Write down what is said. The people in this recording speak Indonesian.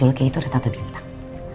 kalau di kecil dulu kaya itu ada tato bintang